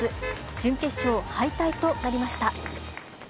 準決勝敗退となりました。